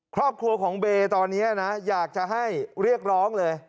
ครอบครัวของเบย์ตอนนี้นะอยากจะให้เรียกร้องเลย